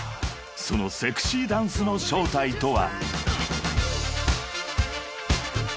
そのセクシーダンスの正体とは］